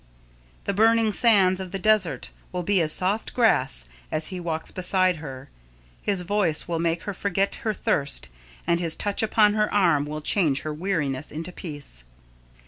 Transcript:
The burning sands of the desert will be as soft grass if he walks beside her, his voice will make her forget her thirst, and his touch upon her arm will change her weariness into peace.